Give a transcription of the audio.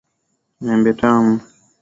Maembe tamu.